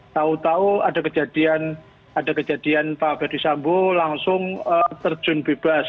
tahu tahu ada kejadian pak ferdisambo langsung terjun bebas